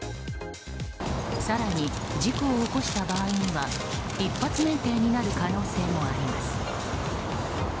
更に事故を起こした場合には一発免停になる可能性もあります。